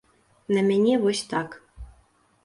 На мяне вось так.